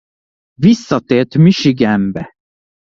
Visszatért Michiganbe.